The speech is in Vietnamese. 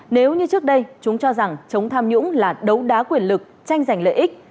nếu như trước đây chúng cho rằng chống tham nhũng là đấu đá quyền lực tranh giành lợi ích